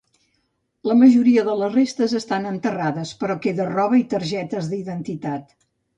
La majoria de les restes estan enterrades però queda roba i targetes d'identitat.